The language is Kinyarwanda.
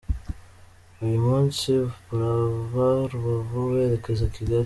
Uyu munsi barava Rubavu berekeza Kigali.